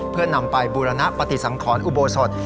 เพื่อนำไปบูรณปฏิสังขรอุโบสถ